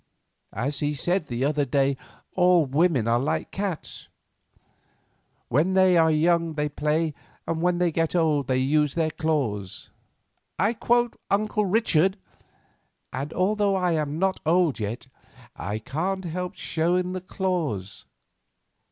As he said the other day, all women are like cats, you know. When they are young they play, when they get old they use their claws—I quote uncle Richard—and although I am not old yet, I can't help showing the claws.